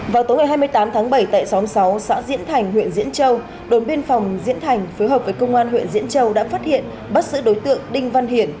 vào tối ngày hai mươi tám tháng bảy tại xóm sáu xã diễn thành huyện diễn châu đồn biên phòng diễn thành phối hợp với công an huyện diễn châu đã phát hiện bắt giữ đối tượng đinh văn hiển